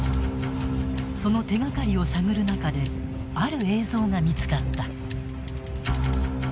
その手がかりを探る中である映像が見つかった。